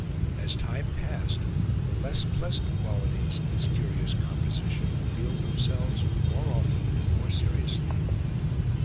As time passed the less pleasant qualities in this curious composition revealed themselves more often and more seriously.